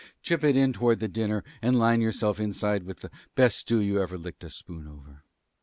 Chip it in toward the dinner and line yourself inside with the best stew you ever licked a spoon over.